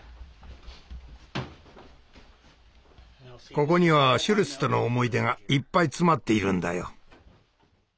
ここにはシュルツとの思い出がいっぱい詰まっているんだよ。